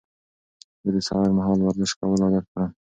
زه د سهار مهال ورزش کولو عادت لرم.